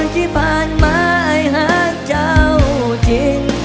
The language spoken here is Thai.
ที่ผ่านมาให้หักเจ้าจริง